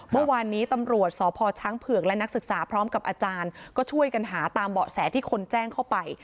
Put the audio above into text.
เมื่อวานนี้ตำรวจสพช้างเผือกและนักศึกษาพร้อมกับอาจารย์ก็ช่วยกันหาตามเบาะแสที่คนแจ้งเข้าไป